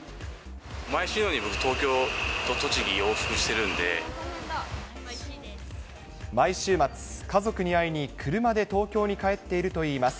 毎週のように僕、毎週末、家族に会いに車で東京に帰っているといいます。